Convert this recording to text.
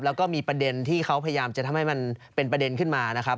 แล้วก็มีประเด็นที่เขาพยายามจะทำให้มันเป็นประเด็นขึ้นมานะครับ